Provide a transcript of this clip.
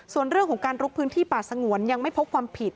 ส่วนเรื่องของการลุกพื้นที่ป่าสงวนยังไม่พบความผิด